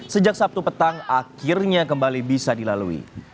sejak sabtu petang akhirnya kembali bisa dilalui